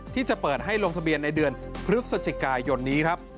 ที่จะเปิดให้ลงทะเบียนในเดือนพฤศจิกายนนี้ครับ